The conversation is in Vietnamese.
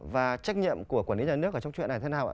và trách nhiệm của quản lý nhà nước ở trong chuyện này thế nào ạ